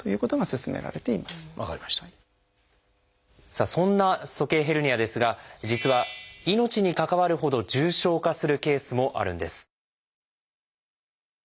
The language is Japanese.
さあそんな鼠径ヘルニアですが実は命に関わるほど重症化するケースもあるんです。